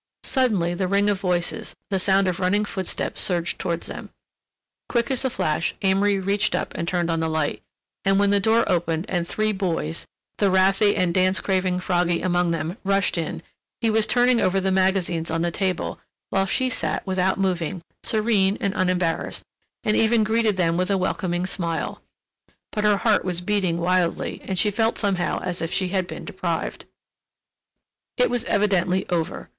Suddenly the ring of voices, the sound of running footsteps surged toward them. Quick as a flash Amory reached up and turned on the light, and when the door opened and three boys, the wrathy and dance craving Froggy among them, rushed in, he was turning over the magazines on the table, while she sat without moving, serene and unembarrassed, and even greeted them with a welcoming smile. But her heart was beating wildly, and she felt somehow as if she had been deprived. It was evidently over.